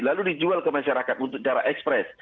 lalu dijual ke masyarakat untuk cara ekspres